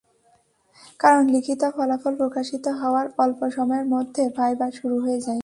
কারণ, লিখিত ফলাফল প্রকাশিত হওয়ার অল্প সময়ের মধ্যে ভাইভা শুরু হয়ে যায়।